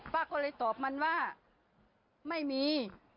ป้าก็เลยตอบมันว่าไม่มี